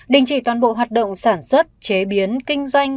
đình chỉ toàn bộ hoạt động sản xuất chế biến kinh doanh